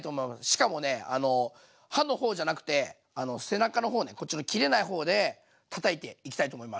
しかもね刃の方じゃなくて背中の方ねこっちの切れない方でたたいていきたいと思います。